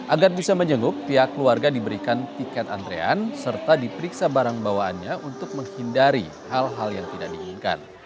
agar bisa menjenguk pihak keluarga diberikan tiket antrean serta diperiksa barang bawaannya untuk menghindari hal hal yang tidak diinginkan